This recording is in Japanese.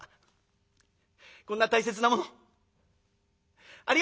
こんな大切なものありがとうございます。